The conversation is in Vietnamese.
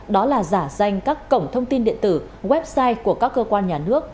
đó là giả danh các cổng thông tin điện tử website của các cơ quan nhà nước